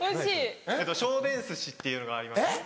聖天寿司っていうのがありまして。